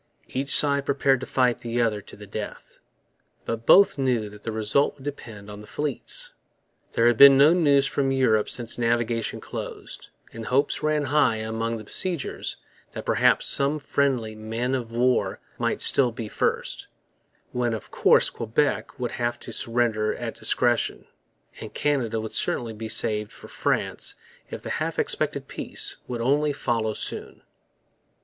Each side prepared to fight the other to the death. But both knew that the result would depend on the fleets. There had been no news from Europe since navigation closed; and hopes ran high among the besiegers that perhaps some friendly men of war might still be first; when of course Quebec would have to surrender at discretion, and Canada would certainly be saved for France if the half expected peace would only follow soon.